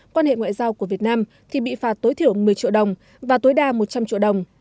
quan hệ ngoại giao của việt nam thì bị phạt tối thiểu một mươi triệu đồng và tối đa một trăm linh triệu đồng